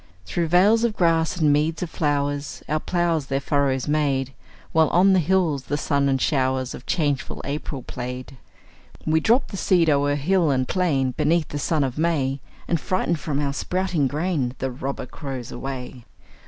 Through vales of grass and meads of flowers, Our ploughs their furrows made, While on the hills the sun and showers Of changeful April played. We dropped the seed o'er hill and plain, Beneath the sun of May, And frightened from our sprouting grain The robber crows away.